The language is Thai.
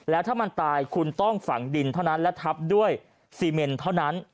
แล้วถ้ามันตายคุณต้องฝังดินเท่านั้นและทับด้วยซีเมนเท่านั้น